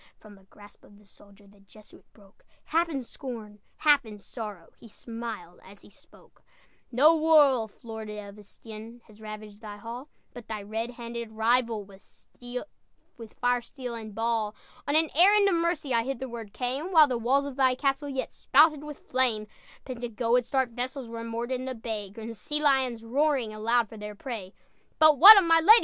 From the grasp of the soldier The Jesuit broke, Half in scorn, half in sorrow, He smiled as he spoke: "No wolf, Lord of Estienne, Has ravaged thy hall, But thy red handed rival, With fire, steel, and ball! On an errand of mercy I hitherward came, While the walls of thy castle Yet spouted with flame. "Pentagoet's dark vessels Were moored in the bay, Grim sea lions, roaring Aloud for their prey." "But what of my lady?"